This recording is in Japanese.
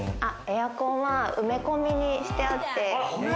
エアコンは埋め込みにしてあって。